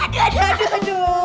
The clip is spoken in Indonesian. aduh aduh aduh